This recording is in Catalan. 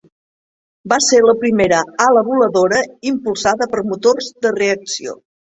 Va ser la primera ala voladora impulsada per motors de reacció.